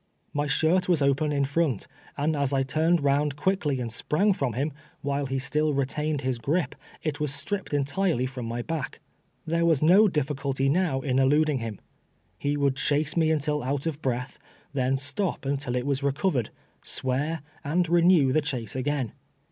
My shirt was open in front, and as I turned round quickly and sprang from him, Avhile he still retained his gripe, it was stripped entirely from my back. There Mas no difiiculty now in eluding him. lie would chase me nntil out of breath, then stop until it was recov ered, swear, and renew the chase again.